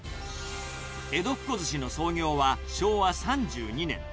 江戸ッ子寿司の創業は昭和３２年。